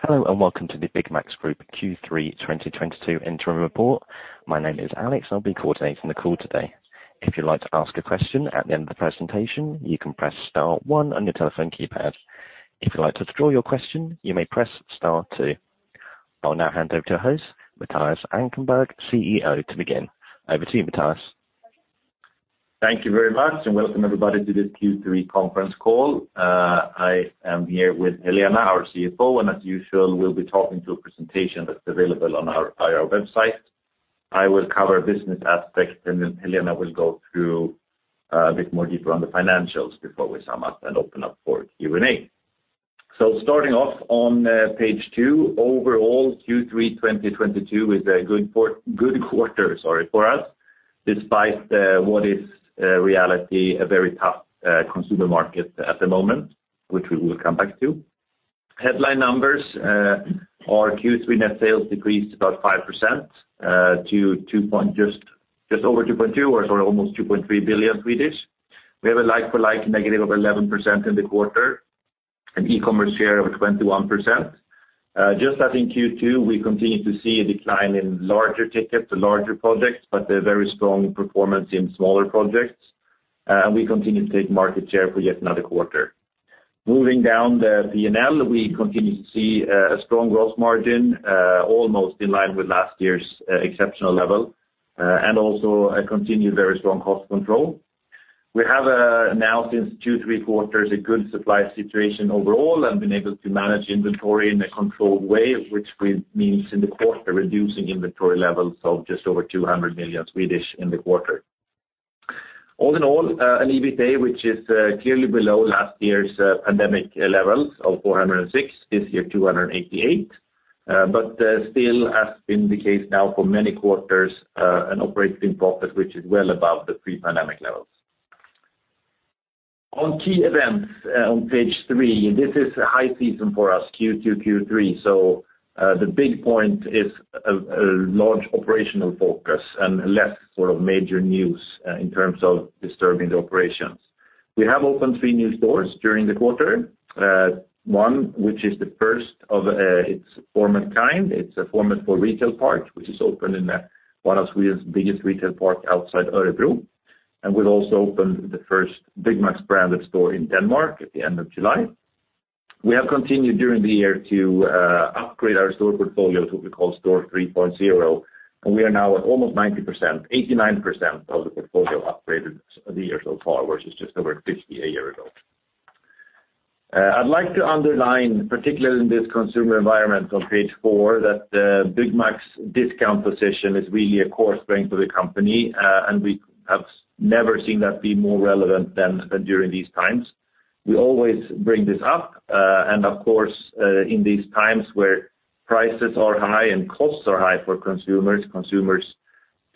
Hello and welcome to the Byggmax Group Q3 2022 interim report. My name is Alex. I'll be coordinating the call today. If you'd like to ask a question at the end of the presentation, you can press star one on your telephone keypad. If you'd like to withdraw your question, you may press star two. I'll now hand over to our host, Mattias Ankarberg, CEO, to begin. Over to you, Mattias. Thank you very much and welcome everybody to this Q3 conference call. I am here with Helena, our CFO, and as usual, we'll be talking through a presentation that's available on our IR website. I will cover business aspects, and then Helena will go through a bit more deeper on the financials before we sum up and open up for Q&A. Starting off on page two, overall Q3 2022 is a good quarter, sorry, for us, despite what is a reality, a very tough consumer market at the moment, which we will come back to. Headline numbers, our Q3 net sales decreased about 5% to almost 2.3 billion. We have a like-for-like negative of 11% in the quarter, an e-commerce share of 21%. Just as in Q2, we continue to see a decline in larger tickets or larger projects, but a very strong performance in smaller projects. We continue to take market share for yet another quarter. Moving down the P&L, we continue to see a strong gross margin, almost in line with last year's exceptional level, and also a continued very strong cost control. We have now for three quarters a good supply situation overall and been able to manage inventory in a controlled way, which means in the quarter, reducing inventory levels of just over 200 million in the quarter. All in all, an EBITA which is clearly below last year's pandemic levels of 406, this year 288. Still, has been the case now for many quarters, an operating profit, which is well above the pre-pandemic levels. On key events on page three, this is a high season for us, Q2, Q3. The big point is a large operational focus and less sort of major news in terms of disturbing the operations. We have opened three new stores during the quarter. One, which is the first of its format kind. It's a format for retail park, which is opened in one of Sweden's biggest retail park outside Örebro. We've also opened the first Byggmax branded store in Denmark at the end of July. We have continued during the year to upgrade our store portfolio to what we call Store 3.0, and we are now at almost 90%, 89% of the portfolio upgraded the year so far, which is just over 50 a year ago. I'd like to underline, particularly in this consumer environment on page four, that Byggmax discount position is really a core strength of the company, and we have never seen that be more relevant than during these times. We always bring this up. Of course, in these times where prices are high and costs are high for consumers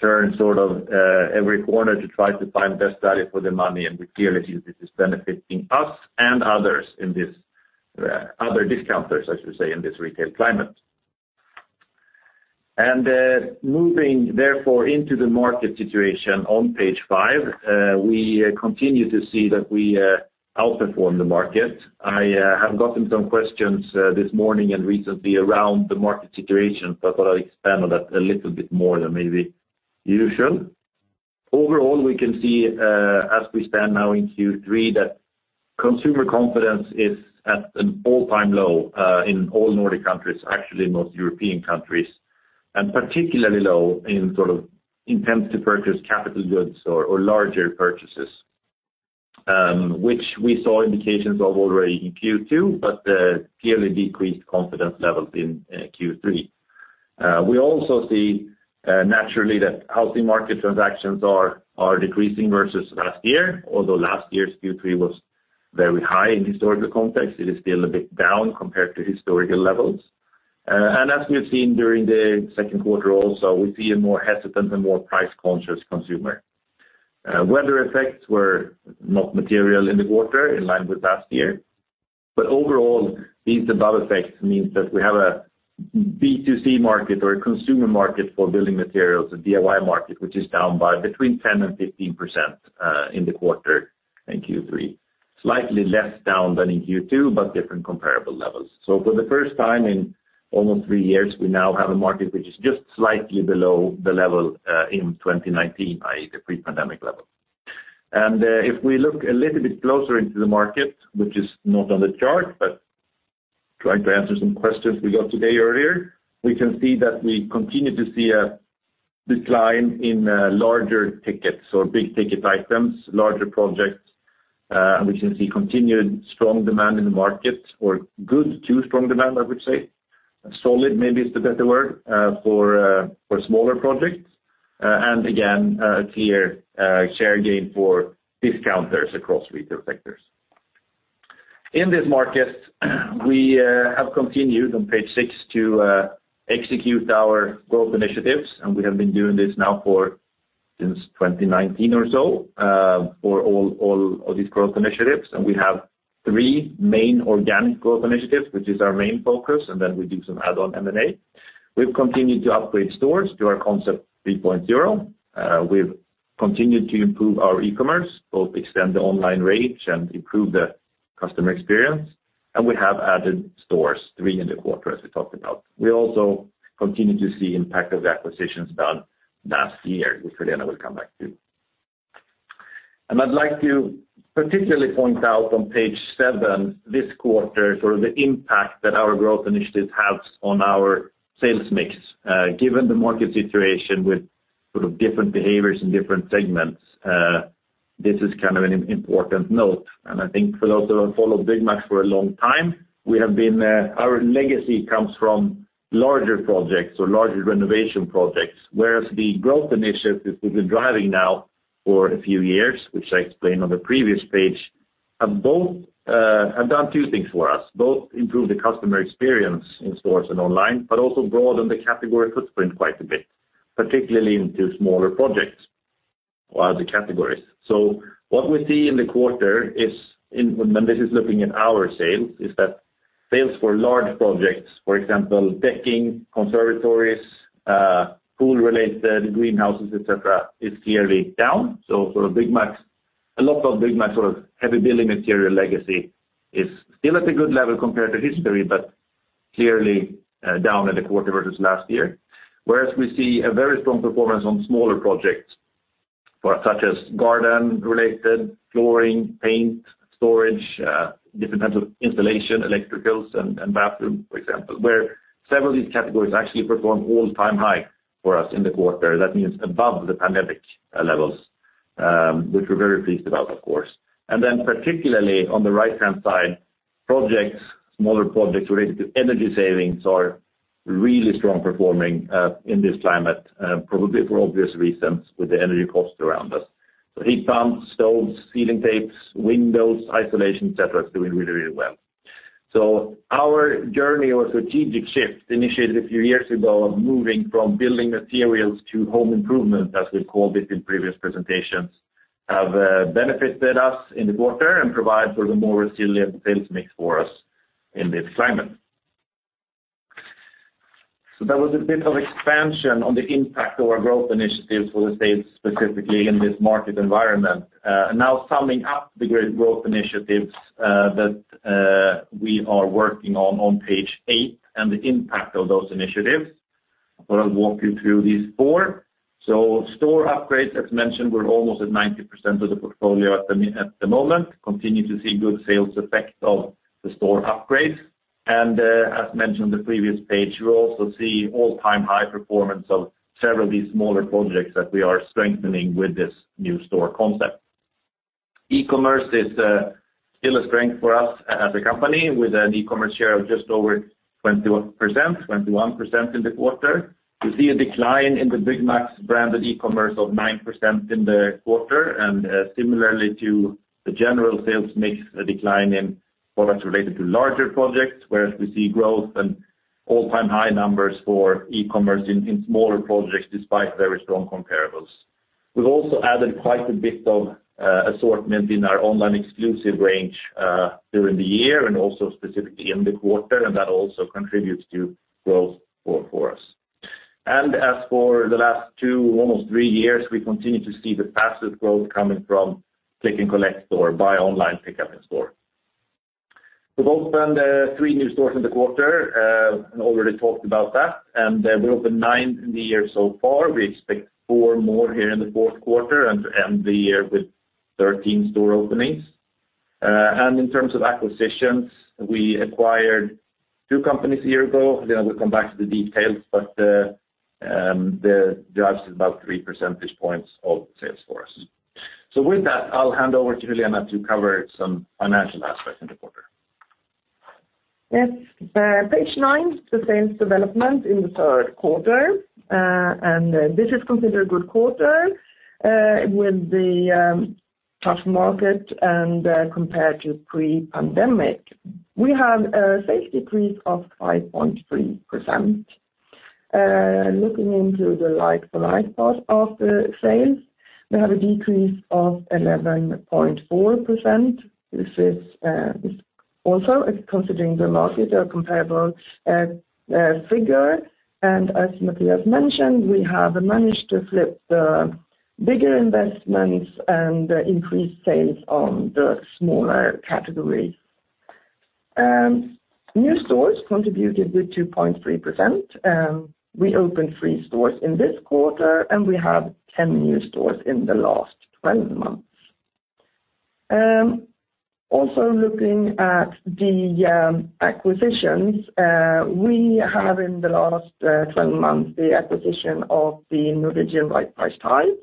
turn sort of every corner to try to find best value for their money. We clearly see this is benefiting us and other discounters, I should say, in this retail climate. Moving therefore into the market situation on page five, we continue to see that we outperform the market. I have gotten some questions this morning and recently around the market situation. I thought I'd expand on that a little bit more than maybe usual. Overall, we can see as we stand now in Q3, that consumer confidence is at an all-time low in all Nordic countries, actually most European countries, and particularly low in sort of intent to purchase capital goods or larger purchases, which we saw indications of already in Q2, but clearly decreased confidence levels in Q3. We also see naturally that housing market transactions are decreasing versus last year. Although last year's Q3 was very high in historical context, it is still a bit down compared to historical levels. As we have seen during the Q2 also, we see a more hesitant and more price-conscious consumer. Weather effects were not material in the quarter in line with last year. Overall, these above effects means that we have a B2C market or a consumer market for building materials, a DIY market, which is down by between 10% and 15%, in the quarter in Q3. Slightly less down than in Q2, but different comparable levels. For the first time in almost three years, we now have a market which is just slightly below the level, in 2019, i.e., the pre-pandemic level. If we look a little bit closer into the market, which is not on the chart, but trying to answer some questions we got earlier today, we can see that we continue to see a decline in larger tickets or big ticket items, larger projects. We can see continued strong demand in the market or good to strong demand, I would say. Solid maybe is the better word for smaller projects. Again, a clear share gain for discounters across retail sectors. In this market, we have continued on page six to execute our growth initiatives, and we have been doing this now since 2019 or so for all these growth initiatives. We have three main organic growth initiatives, which is our main focus, and then we do some add-on M&A. We've continued to upgrade stores to our concept 3.0. We've continued to improve our e-commerce, both extend the online range and improve the customer experience, and we have added stores, three in the quarter, as we talked about. We also continue to see impact of the acquisitions done last year, which Helena will come back to. I'd like to particularly point out on page seven this quarter, sort of the impact that our growth initiatives have on our sales mix. Given the market situation with sort of different behaviors and different segments, this is kind of an important note. I think for those who have followed Byggmax for a long time, our legacy comes from larger projects or larger renovation projects, whereas the growth initiatives we've been driving now for a few years, which I explained on the previous page, have both, have done two things for us, both improve the customer experience in stores and online, but also broaden the category footprint quite a bit, particularly into smaller projects or other categories. What we see in the quarter is, when this is looking at our sales, that sales for large projects, for example, decking, conservatories, pool-related greenhouses, et cetera, is clearly down. For Byggmax's, a lot of Byggmax's sort of heavy building material legacy is still at a good level compared to history, but clearly, down in the quarter versus last year. Whereas we see a very strong performance on smaller projects such as garden-related flooring, paint, storage, different types of insulation, electricals and bathroom, for example, where several of these categories actually perform all-time high for us in the quarter. That means above the pandemic levels, which we're very pleased about, of course. Then particularly on the right-hand side, projects, smaller projects related to energy savings are really strong performing in this climate, probably for obvious reasons with the energy costs around us. Heat pumps, stoves, sealing tapes, windows, insulation, et cetera, is doing really, really well. Our journey or strategic shift initiated a few years ago of moving from building materials to home improvement, as we've called it in previous presentations, have benefited us in the quarter and provide for the more resilient sales mix for us in this climate. That was a bit of expansion on the impact of our growth initiatives for the sales specifically in this market environment. Now summing up the great growth initiatives that we are working on page eight and the impact of those initiatives. I'll walk you through these four. Store upgrades, as mentioned, we're almost at 90% of the portfolio at the moment. Continue to see good sales effect of the store upgrades. As mentioned on the previous page, you also see all-time high performance of several of these smaller projects that we are strengthening with this new store concept. e-commerce is still a strength for us as a company with an e-commerce share of just over 20%, 21% in the quarter. You see a decline in the Byggmax's brand of e-commerce of 9% in the quarter, and similarly to the general sales mix, a decline in products related to larger projects, whereas we see growth and all-time high numbers for e-commerce in smaller projects, despite very strong comparables. We've also added quite a bit of assortment in our online exclusive range during the year and also specifically in the quarter, and that also contributes to growth for us. As for the last two, almost three years, we continue to see the fastest growth coming from click and collect store, buy online, pick up in store. We've opened three new stores in the quarter and already talked about that. We opened nine in the year so far. We expect four more here in the Q4 and to end the year with 13 store openings. In terms of acquisitions, we acquired two companies a year ago. Again, I will come back to the details, but uncertain is about 3% of sales for us. With that, I'll hand over to Helena to cover some financial aspects in the quarter. Yes. Page nine, the sales development in the Q3. This is considered a good quarter, with the tough market and compared to pre-pandemic. We have a sales decrease of 5.3%. Looking into the like-for-like part of the sales, we have a decrease of 11.4%. This is also considering the market, a comparable figure. As Mattias mentioned, we have managed to flip the bigger investments and increase sales on the smaller categories. New stores contributed with 2.3%. We opened three stores in this quarter, and we have 10 new stores in the last 12 months. Also looking at the acquisitions, we have in the last 12 months the acquisition of the Norwegian Right Price Tiles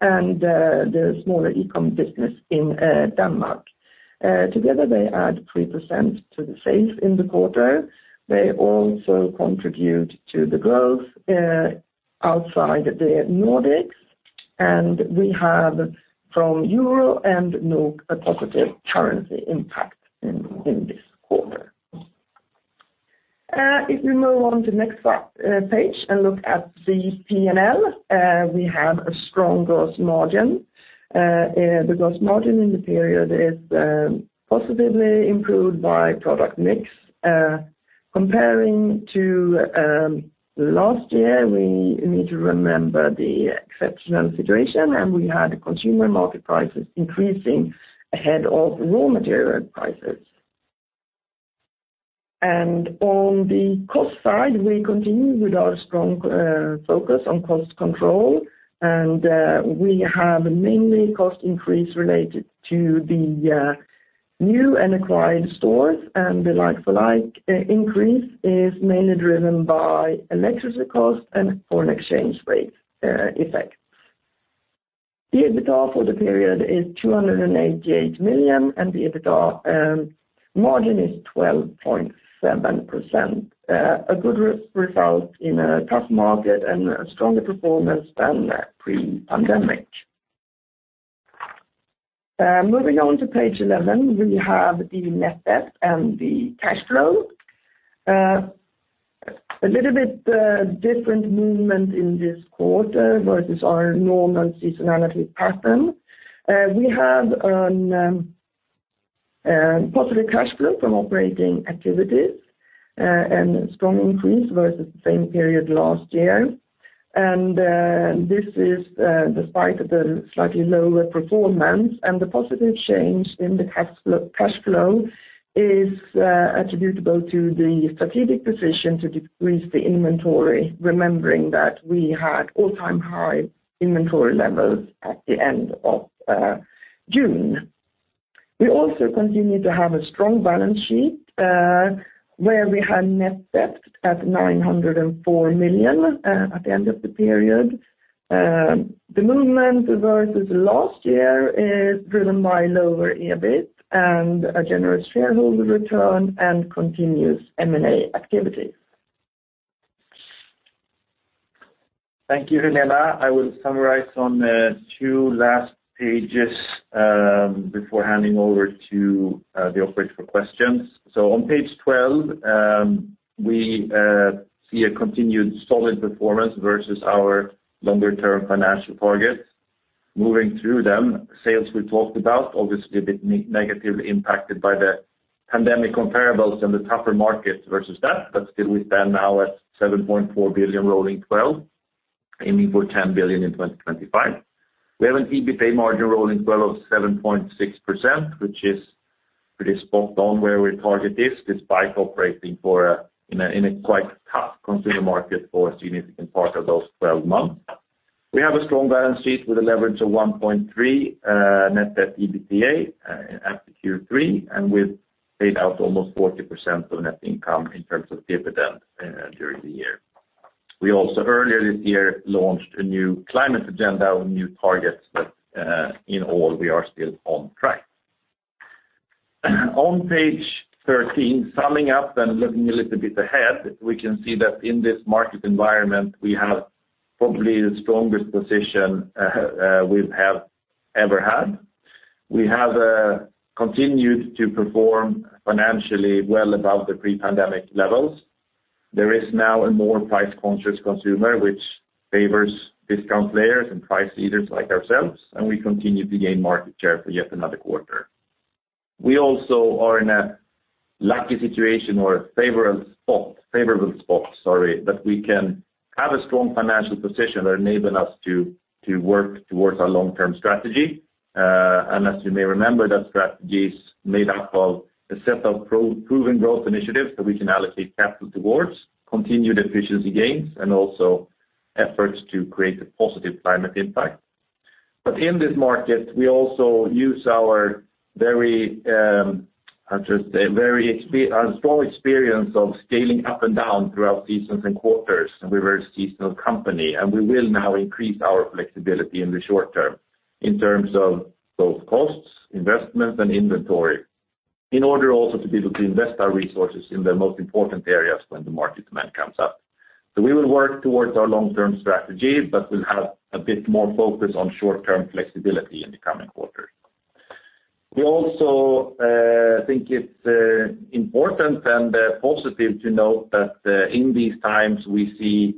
and the smaller e-com business in Denmark. Together, they add 3% to the sales in the quarter. They also contribute to the growth outside the Nordics. We have from Euro and NOK a positive currency impact in this quarter. If we move on to next page and look at the P&L, we have a strong gross margin. Because margin in the period is positively improved by product mix. Comparing to last year, we need to remember the exceptional situation, and we had consumer market prices increasing ahead of raw material prices. On the cost side, we continue with our strong focus on cost control, and we have mainly cost increase related to the new and acquired stores. The like-for-like increase is mainly driven by electricity costs and foreign exchange rate effects. The EBITDA for the period is 288 million, and the EBITDA margin is 12.7%. A good result in a tough market and a stronger performance than pre-pandemic. Moving on to page 11, we have the net debt and the cash flow. A little bit different movement in this quarter versus our normal seasonality pattern. We have a positive cash flow from operating activities and a strong increase versus the same period last year. This is despite of the slightly lower performance. The positive change in the cash flow is attributable to the strategic decision to decrease the inventory, remembering that we had all-time high inventory levels at the end of June. We also continue to have a strong balance sheet, where we had net debt at 904 million at the end of the period. The movement versus last year is driven by lower EBIT and a generous shareholder return and continuous M&A activity. Thank you, Helena. I will summarize on two last pages before handing over to the operator for questions. On page 12, we see a continued solid performance versus our longer term financial targets. Moving through them, sales we talked about, obviously a bit negatively impacted by the pandemic comparables and the tougher markets versus that. Still, we stand now at 7.4 billion rolling 12, aiming for 10 billion in 2025. We have an EBITA margin rolling twelve of 7.6%, which is pretty spot on where we target this, despite operating in a quite tough consumer market for a significant part of those twelve months. We have a strong balance sheet with a leverage of 1.3 net debt/EBITA at the Q3, and we've paid out almost 40% of net income in terms of dividend during the year. We also earlier this year launched a new climate agenda with new targets, but in all we are still on track. On page 13, summing up and looking a little bit ahead, we can see that in this market environment we have probably the strongest position we have ever had. We have continued to perform financially well above the pre-pandemic levels. There is now a more price-conscious consumer which favors discount players and price leaders like ourselves, and we continue to gain market share for yet another quarter. We also are in a lucky situation or a favorable spot that we can have a strong financial position enabling us to work towards our long-term strategy. As you may remember, that strategy is made up of a set of proven growth initiatives that we can allocate capital towards continued efficiency gains and also efforts to create a positive climate impact. In this market, we also use our very strong experience of scaling up and down throughout seasons and quarters. We're a very seasonal company, and we will now increase our flexibility in the short term in terms of both costs, investments and inventory in order also to be able to invest our resources in the most important areas when the market demand comes up. We will work towards our long-term strategy, but we'll have a bit more focus on short-term flexibility in the coming quarters. We also think it's important and positive to note that in these times we see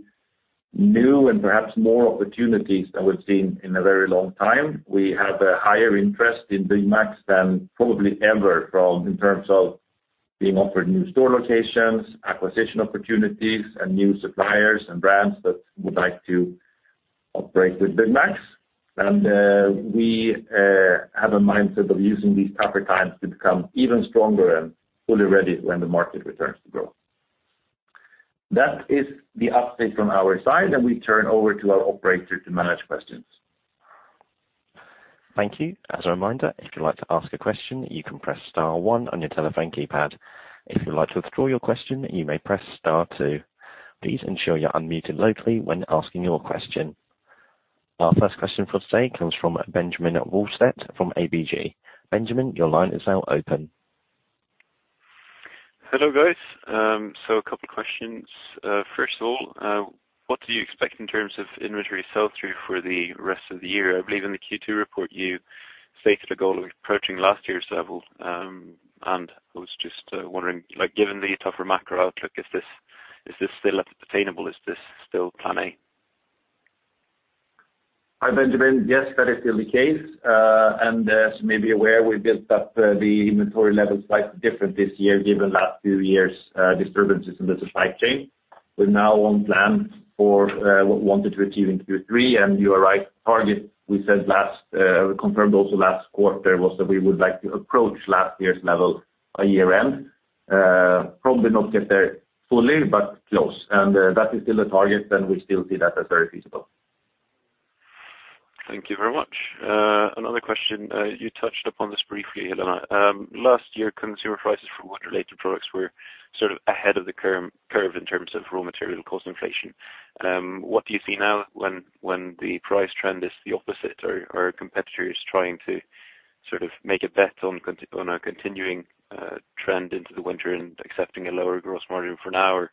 new and perhaps more opportunities than we've seen in a very long time. We have a higher interest in Byggmax than probably ever from, in terms of being offered new store locations, acquisition opportunities and new suppliers and brands that would like to operate with Byggmax. We have a mindset of using these tougher times to become even stronger and fully ready when the market returns to growth. That is the update from our side and we turn over to our operator to manage questions. Thank you. As a reminder, if you'd like to ask a question, you can press star one on your telephone keypad. If you'd like to withdraw your question, you may press star two. Please ensure you're unmuted locally when asking your question. Our first question for today comes from Benjamin Wahlstedt from ABG. Benjamin, your line is now open. Hello, guys. A couple questions. First of all, what do you expect in terms of inventory sell-through for the rest of the year? I believe in the Q2 report you- Stated goal of approaching last year's level, and I was just wondering, like, given the tougher macro outlook, is this still attainable? Is this still the plan? Hi, Benjamin. Yes, that is still the case. As you may be aware, we built up the inventory levels slightly different this year given last two years disturbances in the supply chain. We're now on plan for what we wanted to achieve in Q3. You are right, target we said last we confirmed also last quarter was that we would like to approach last year's level by year-end. Probably not get there fully, but close. That is still a target, and we still see that as very feasible. Thank you very much. Another question. You touched upon this briefly, Helena. Last year, consumer prices for wood-related products were sort of ahead of the curve in terms of raw material cost inflation. What do you see now when the price trend is the opposite? Are competitors trying to sort of make a bet on a continuing trend into the winter and accepting a lower gross margin for now? Or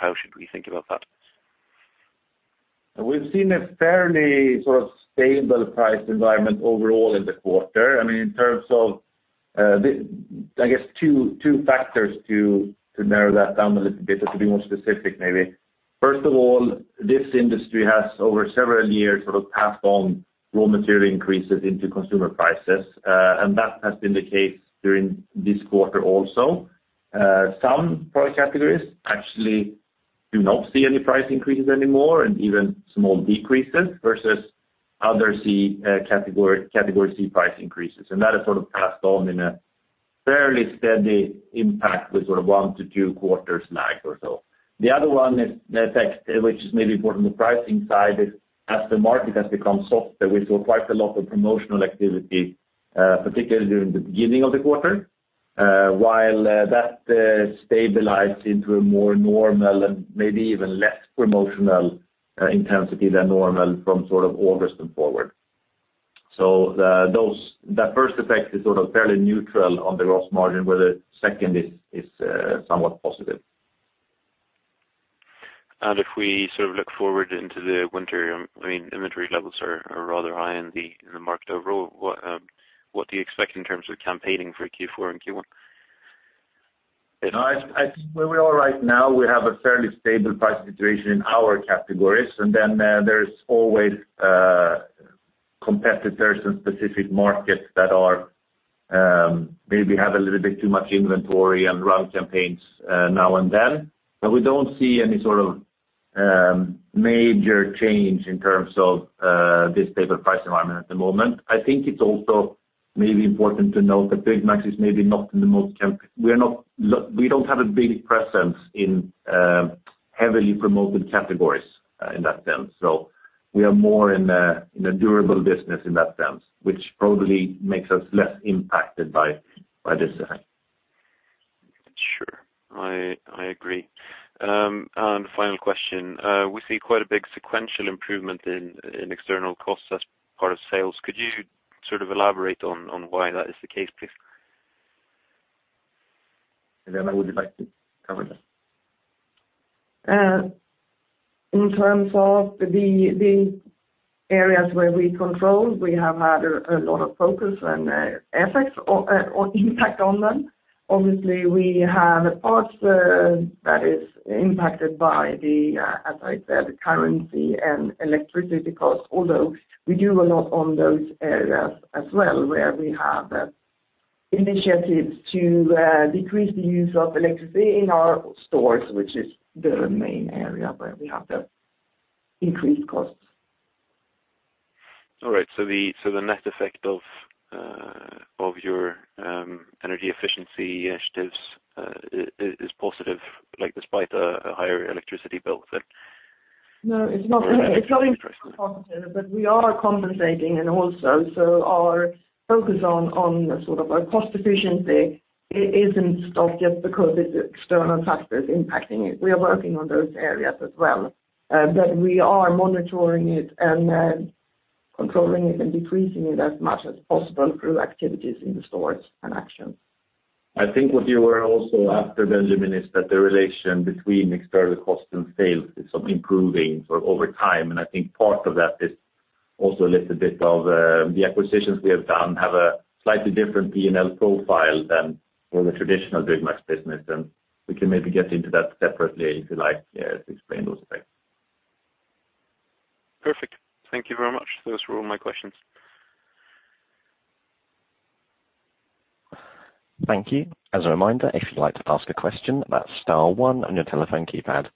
how should we think about that? We've seen a fairly sort of stable price environment overall in the quarter. I mean, in terms of, I guess two factors to narrow that down a little bit or to be more specific maybe. First of all, this industry has over several years sort of passed on raw material increases into consumer prices, and that has been the case during this quarter also. Some product categories actually do not see any price increases anymore and even small decreases versus other category C price increases. That is sort of passed on in a fairly steady impact with sort of one to two quarters lag or so. The other one is the effect, which is maybe more on the pricing side, as the market has become softer, we saw quite a lot of promotional activity, particularly during the beginning of the quarter. While that stabilized into a more normal and maybe even less promotional intensity than normal from sort of August and forward. That first effect is sort of fairly neutral on the gross margin, where the second is somewhat positive. If we sort of look forward into the winter, I mean, inventory levels are rather high in the market overall. What do you expect in terms of campaigning for Q4 and Q1? You know, I think where we are right now, we have a fairly stable price situation in our categories, and then there's always competitors in specific markets that maybe have a little bit too much inventory and run campaigns now and then. We don't see any sort of major change in terms of this type of price environment at the moment. I think it's also maybe important to note that we don't have a big presence in heavily promoted categories in that sense. We are more in a durable business in that sense, which probably makes us less impacted by this effect. Sure. I agree. Final question. We see quite a big sequential improvement in external costs as part of sales. Could you sort of elaborate on why that is the case, please? Helena, would you like to cover that? In terms of the areas where we control, we have had a lot of focus and effects or impact on them. Obviously, we have a part that is impacted by the, as I said, currency and electricity costs, although we do a lot on those areas as well, where we have initiatives to decrease the use of electricity in our stores, which is the main area where we have the increased costs. All right. The net effect of your energy efficiency initiatives is positive, like despite a higher electricity bill? No, it's not entirely positive, but we are compensating and also so our focus on sort of our cost efficiency isn't stopped just because it's external factors impacting it. We are working on those areas as well. We are monitoring it and controlling it and decreasing it as much as possible through activities in the stores and actions. I think what you were also after, Benjamin, is that the relation between external costs and sales is sort of improving, sort of over time. I think part of that is also a little bit of the acquisitions we have done have a slightly different P&L profile than all the traditional Byggmax business. We can maybe get into that separately if you like, yeah, to explain those effects. Perfect. Thank you very much. Those were all my questions. Thank you. As a reminder, if you'd like to ask a question, that's star one on your telephone keypad.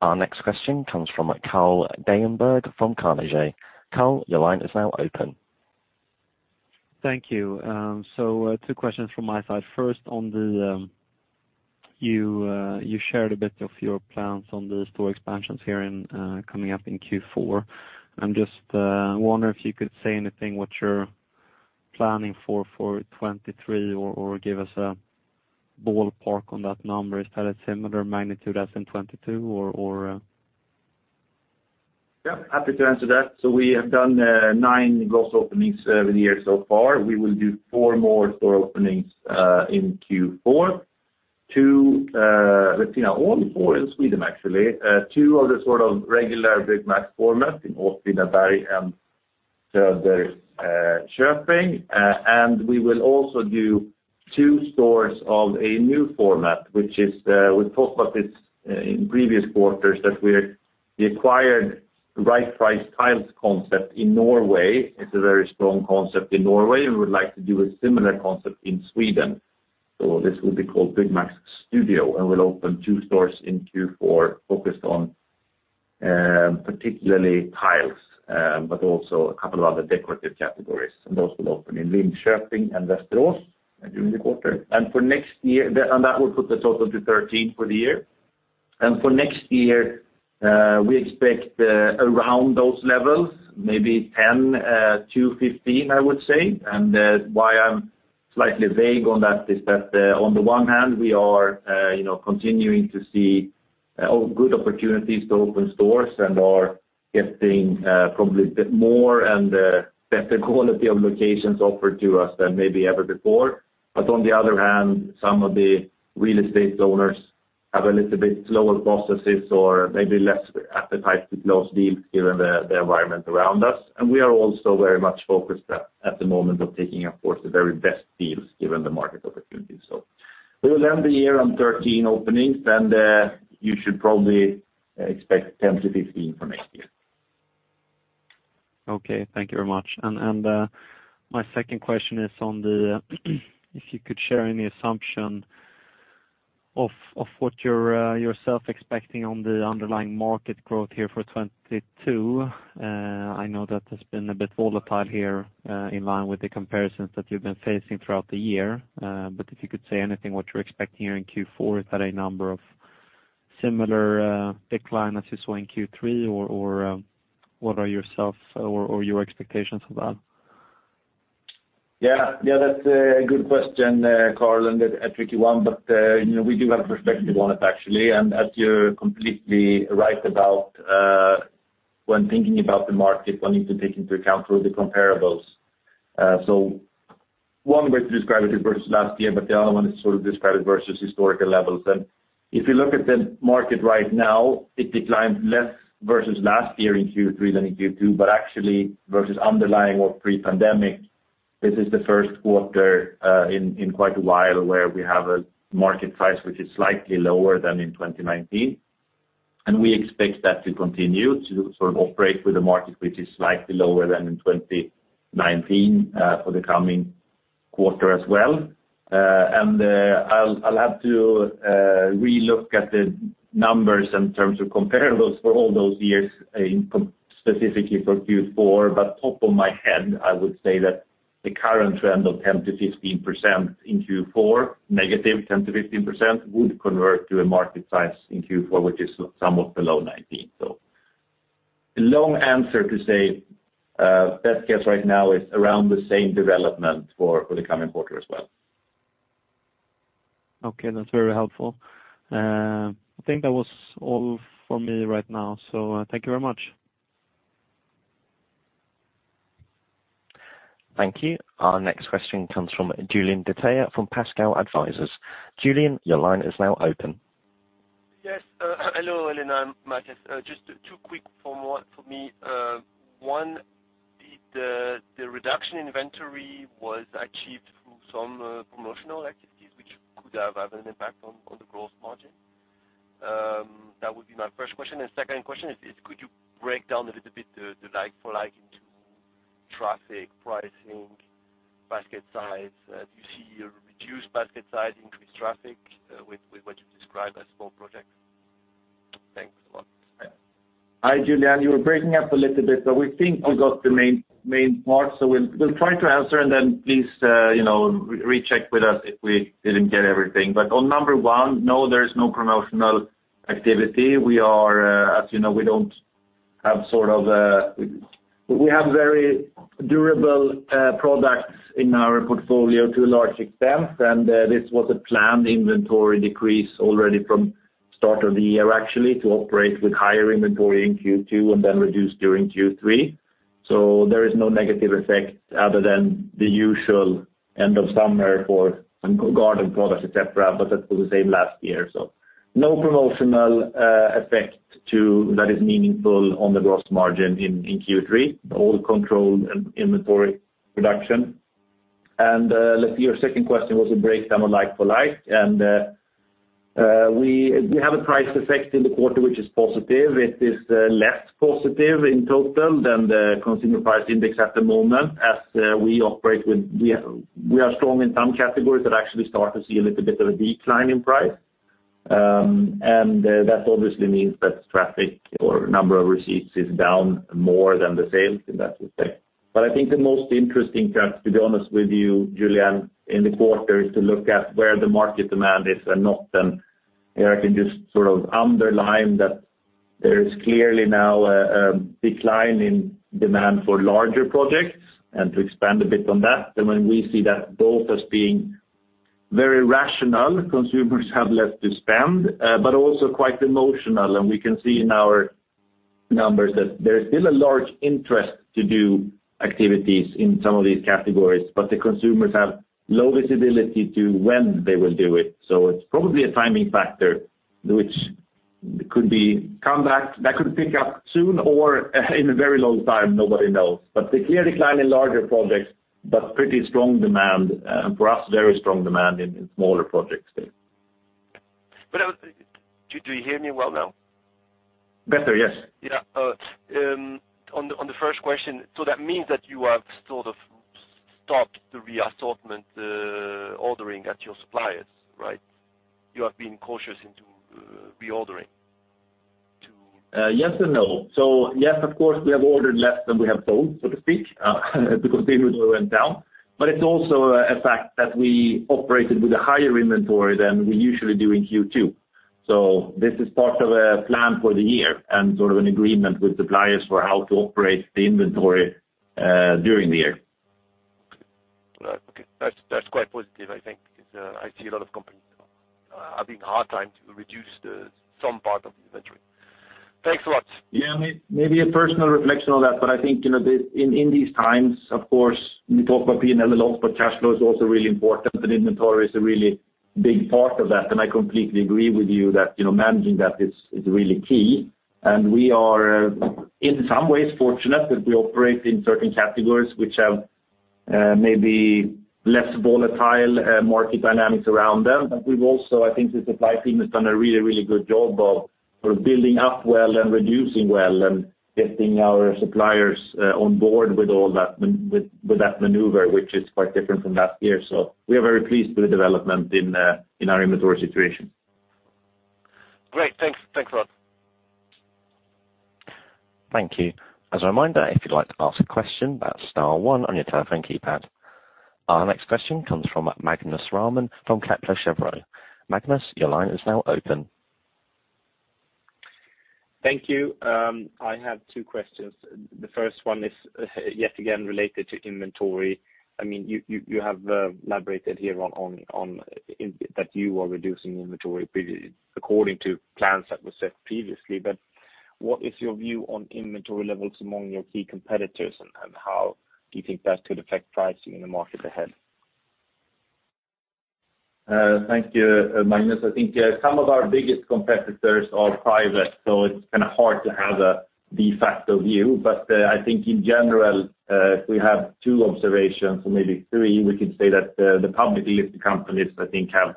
Our next question comes from Carl Dahlberg from Carnegie. Carl, your line is now open. Thank you. Two questions from my side. First, on the you shared a bit of your plans on the store expansions here in coming up in Q4. I'm just wondering if you could say anything what you're planning for 2023 or give us a ballpark on that number. Is that a similar magnitude as in 2022 or? Yeah, happy to answer that. We have done nine gross openings seven years so far. We will do four more store openings in Q4. Two, let's see. Now all four in Sweden, actually. Two are the sort of regular Byggmax format in Åtvidberg and Köping. We will also do two stores of a new format, which is. We've talked about this in previous quarters, that we acquired Right Price Tiles concept in Norway. It's a very strong concept in Norway, and we would like to do a similar concept in Sweden. This will be called Byggmax Studio, and we'll open two stores in Q4 focused on particularly tiles but also a couple of other decorative categories. Those will open in Linköping and Västerås during the quarter. That will put the total to 13 for the year. For next year, we expect around those levels, maybe 10-15, I would say. Why I'm slightly vague on that is that, on the one hand, we are, you know, continuing to see good opportunities to open stores and are getting probably a bit more and better quality of locations offered to us than maybe ever before. But on the other hand, some of the real estate owners have a little bit slower processes or maybe less appetite to close deals given the environment around us. We are also very much focused at the moment on taking, of course, the very best deals given the market opportunities. We will end the year on 13 openings, and you should probably expect 10-15 for next year. Okay. Thank you very much. My second question is if you could share any assumption of what you're yourself expecting on the underlying market growth here for 2022. I know that has been a bit volatile here, in line with the comparisons that you've been facing throughout the year. If you could say anything, what you're expecting here in Q4. Is that a number of similar decline as you saw in Q3, or what are yourself or your expectations for that? Yeah. Yeah, that's a good question, Carl Dahlberg, and a tricky one. You know, we do have perspective on it actually. As you're completely right about, when thinking about the market, one needs to take into account all the comparables. One way to describe it is versus last year, but the other one is sort of describe it versus historical levels. If you look at the market right now, it declined less versus last year in Q3 than in Q2. Actually, versus underlying or pre-pandemic, this is the first quarter in quite a while where we have a market price which is slightly lower than in 2019. We expect that to continue to sort of operate with a market which is slightly lower than in 2019 for the coming quarter as well. I'll have to relook at the numbers in terms of comparables for all those years specifically for Q4. Off the top of my head, I would say that the current trend of 10%-15% in Q4, negative 10%-15%, would convert to a market size in Q4, which is somewhat below 19. A long answer to say, best guess right now is around the same development for the coming quarter as well. Okay. That's very helpful. I think that was all for me right now. Thank you very much. Thank you. Our next question comes from Julien Desayes from Pareto Securities. Julien, your line is now open. Yes. Hello, Helena and Mattias. Just two quick ones for me. One, was the reduction in inventory achieved through some promotional activities which could have had an impact on the gross margin? That would be my first question. Second question is, could you break down a little bit the like-for-like into traffic, pricing, basket size? Do you see a reduced basket size, increased traffic, with what you describe as small projects? Thanks a lot. Hi, Julien. You were breaking up a little bit, but we think we got the main part. We'll try to answer and then please, you know, recheck with us if we didn't get everything. On number one, no, there is no promotional activity. We are, as you know, we don't have sort of a. We have very durable products in our portfolio to a large extent, and this was a planned inventory decrease already from start of the year actually to operate with higher inventory in Q2 and then reduce during Q3. There is no negative effect other than the usual end of summer for some garden products, et cetera, but that was the same last year. No promotional effect that is meaningful on the gross margin in Q3, all controlled inventory reduction. Let's see. Your second question was a breakdown of like-for-like. We have a price effect in the quarter which is positive. It is less positive in total than the consumer price index at the moment as we are strong in some categories that actually start to see a little bit of a decline in price. That obviously means that traffic or number of receipts is down more than the sales, in that respect. I think the most interesting trend, to be honest with you, Julien, in the quarter, is to look at where the market demand is and not. Eric can just sort of underline that there is clearly now a decline in demand for larger projects. To expand a bit on that, when we see that both as being very rational, consumers have less to spend, but also quite emotional. We can see in our numbers that there is still a large interest to do activities in some of these categories, but the consumers have low visibility to when they will do it. It's probably a timing factor which could come back, that could pick up soon or in a very long time, nobody knows. The clear decline in larger projects, but pretty strong demand, for us, very strong demand in smaller projects there. Do you hear me well now? Better, yes. Yeah. On the first question, so that means that you have sort of stopped the reassortment ordering at your suppliers, right? You have been cautious into reordering to- Yes and no. Yes, of course, we have ordered less than we have sold, so to speak, because sales went down. It's also a fact that we operated with a higher inventory than we usually do in Q2. This is part of a plan for the year and sort of an agreement with suppliers for how to operate the inventory during the year. Right. Okay. That's quite positive, I think, because I see a lot of companies having a hard time to reduce some part of the inventory. Thanks a lot. Yeah. Maybe a personal reflection on that, but I think, you know, in these times, of course, we talk about P&L alone, but cash flow is also really important, and inventory is a really big part of that. I completely agree with you that, you know, managing that is really key. We are, in some ways, fortunate that we operate in certain categories which have maybe less volatile market dynamics around them. We've also, I think the supply team has done a really, really good job of building up well and reducing well and getting our suppliers on board with all that with that maneuver, which is quite different from last year. We are very pleased with the development in our inventory situation. Great. Thanks. Thanks a lot. Thank you. As a reminder, if you'd like to ask a question, that's star one on your telephone keypad. Our next question comes from Magnus Råman from Kepler Cheuvreux. Magnus, your line is now open. Thank you. I have two questions. The first one is, yet again, related to inventory. I mean, you have elaborated here on that you are reducing inventory according to plans that were set previously. What is your view on inventory levels among your key competitors, and how do you think that could affect pricing in the market ahead? Thank you, Magnus. I think some of our biggest competitors are private, so it's kind of hard to have a de facto view. I think in general, if we have two observations or maybe three, we could say that the publicly listed companies, I think, have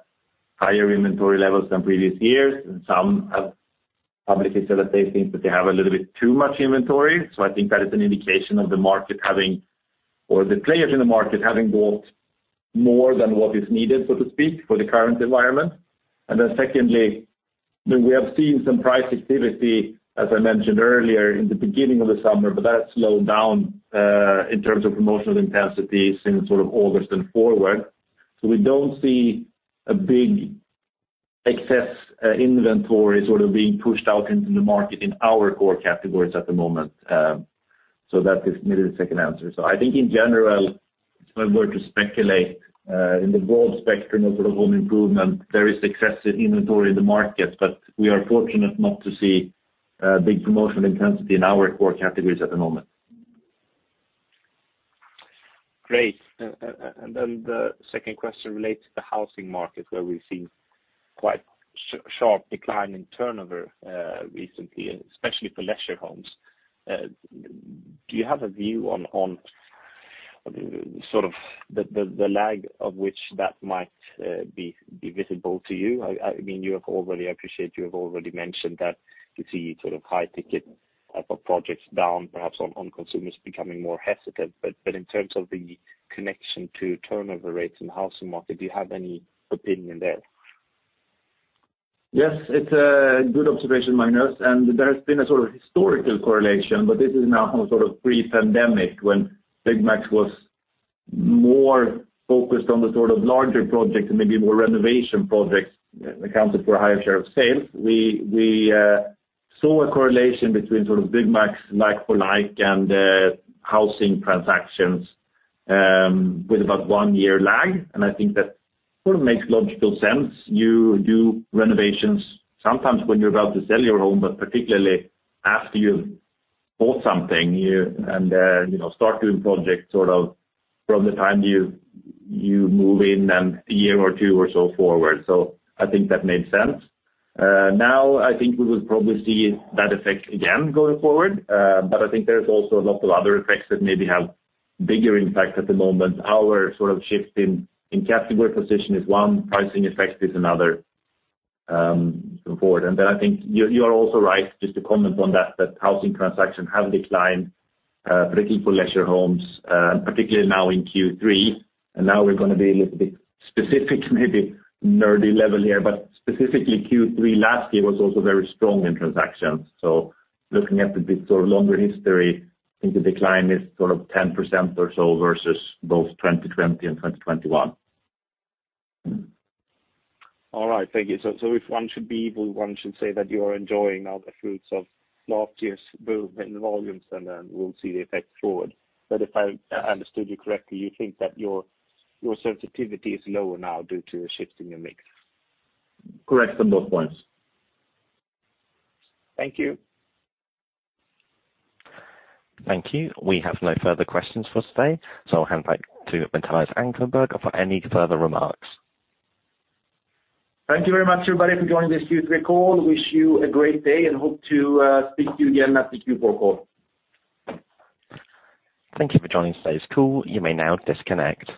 higher inventory levels than previous years, and some have publicly said that they think that they have a little bit too much inventory. I think that is an indication of the market having or the players in the market having bought more than what is needed, so to speak, for the current environment. Then secondly, we have seen some price activity, as I mentioned earlier, in the beginning of the summer, but that slowed down in terms of promotional intensity since sort of August and forward. We don't see a big excess, inventory sort of being pushed out into the market in our core categories at the moment. That is maybe the second answer. I think in general, if I were to speculate, in the broad spectrum of sort of home improvement, there is excessive inventory in the market, but we are fortunate not to see big promotional intensity in our core categories at the moment. Great. Then the second question relates to the housing market, where we've seen quite sharp decline in turnover, recently, especially for leisure homes. Do you have a view on sort of the lag of which that might be visible to you? I mean, I appreciate you have already mentioned that you see sort of high ticket type of projects down, perhaps on consumers becoming more hesitant. In terms of the connection to turnover rates in the housing market, do you have any opinion there? Yes, it's a good observation, Magnus. There's been a sort of historical correlation, but this is now sort of pre-pandemic when Byggmax was more focused on the sort of larger projects and maybe more renovation projects accounted for a higher share of sales. We saw a correlation between sort of Byggmax like-for-like and housing transactions with about one year lag. I think that sort of makes logical sense. You do renovations sometimes when you're about to sell your home, but particularly after you've bought something, and then you know start doing projects sort of from the time you move in and a year or two or so forward. I think that made sense. Now I think we will probably see that effect again going forward. I think there's also a lot of other effects that maybe have bigger impact at the moment. Our sort of shift in category position is one, pricing effect is another, going forward. Then I think you are also right, just to comment on that housing transactions have declined, particularly for leisure homes, particularly now in Q3. Now we're gonna be a little bit specific, maybe nerdy level here, but specifically Q3 last year was also very strong in transactions. Looking at a bit sort of longer history, I think the decline is sort of 10% or so versus both 2020 and 2021. All right, thank you. If one should be evil, one should say that you are enjoying now the fruits of last year's boom in volumes, and then we'll see the effect forward. If I understood you correctly, you think that your sensitivity is lower now due to a shift in your mix? Correct on both points. Thank you. Thank you. We have no further questions for today, so I'll hand back to Mattias Ankarberg for any further remarks. Thank you very much, everybody, for joining this Q3 call. Wish you a great day, and hope to speak to you again at the Q4 call. Thank you for joining today's call. You may now disconnect.